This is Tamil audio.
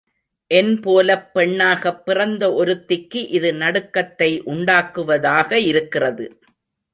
என் போலப் பெண்ணாகப் பிறந்த ஒருத்திக்கு, இது நடுக்கத்தை உண்டாக்குவதாக இருக்கிறது.